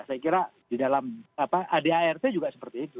saya kira di dalam adart juga seperti itu